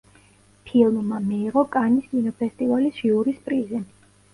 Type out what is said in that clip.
ფილმმა მიიღო კანის კინოფესტივალის ჟიურის პრიზი.